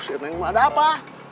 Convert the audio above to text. sial neng cuma ada apa